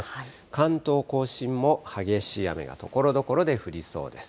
関東甲信も激しい雨がところどころで降りそうです。